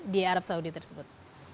di arab saudi tersebut